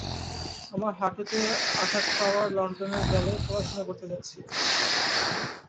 আমার হাঁটুতে আঘাত পাওয়ার লন্ডনের ব্যালে পড়াশোনা করছি।